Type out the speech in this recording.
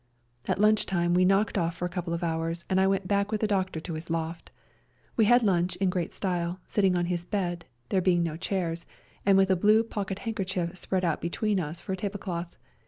At lunch time we knocked off for a couple of hours, and I went back with the doctor to his loft. We had lunch in great style, sitting on his bed, there being no chairs, and with a blue pocket hand kerchief spread out between us for a table cloth.